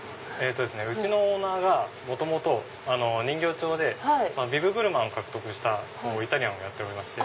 うちのオーナーが元々人形町でビブグルマンを獲得したイタリアンをやっておりまして。